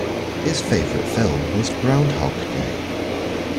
His favourite film was Groundhog Day